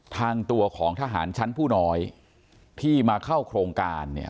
ทางตัวของทหารชั้นผู้น้อยที่มาเข้าโครงการเนี่ย